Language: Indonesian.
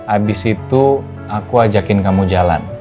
abis itu aku ajakin kamu jalan